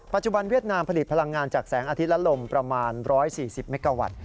เวียดนามผลิตพลังงานจากแสงอาทิตย์และลมประมาณ๑๔๐เมกาวัตต์